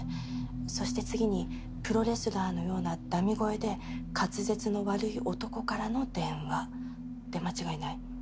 そして次にプロレスラーのようなだみ声で滑舌の悪い男からの電話で間違いない？